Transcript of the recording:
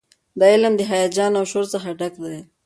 دا علم د هیجان او شور څخه ډک دی.